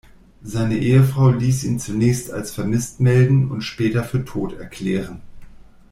Seine Ehefrau ließ ihn zunächst als vermisst melden und später für tot erklären.